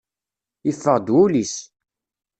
Yeffeɣ-d wul-is.